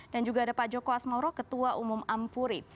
dan juga ada pak joko asmauroh ketua umum ampuri